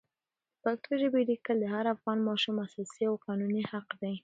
د پښتو ژبې لیکل د هر افغان ماشوم اساسي او قانوني حق دی.